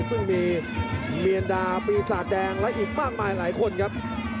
ซึ่งมีเมียนดาปีศาจแดงและอีกมากมายหลายคนครับ